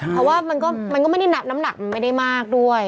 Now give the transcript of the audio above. เพราะว่ามันก็ไม่ได้น้ำหนักมันไม่ได้มากด้วย